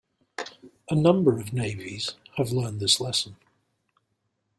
A number of navies have learned this lesson.